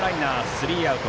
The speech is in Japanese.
スリーアウト。